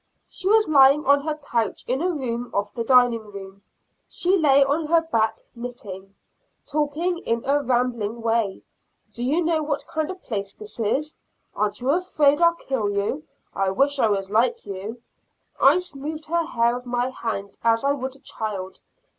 She was lying on her couch in a room off the dining room; she lay on her back knitting, talking in a rambling way: "Do you know what kind of a place this is? Aren't you afraid I'll kill you? I wish I was like you." I smoothed her hair with my hand as I would a child.